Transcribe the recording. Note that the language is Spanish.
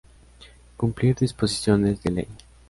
Cumplir disposiciones de Ley.